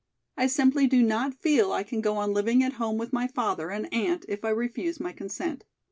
I simply do not feel I can go on living at home with my father and aunt if I refuse my consent.